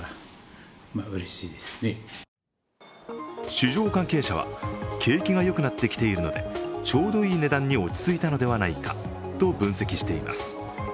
市場関係者は、景気がよくなってきているので、ちょうどいい値段に落ち着いたのではないかと分析しています。